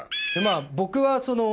僕は。